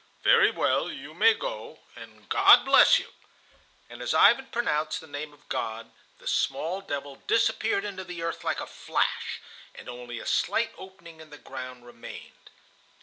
"Very well; you may go, and God bless you;" and as Ivan pronounced the name of God, the small devil disappeared into the earth like a flash, and only a slight opening in the ground remained.